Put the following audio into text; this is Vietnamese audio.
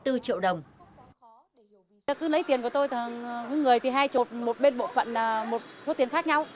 cứ lấy tiền của tôi những người thì hay chụp một bên bộ phận là một thuốc tiền khác nhau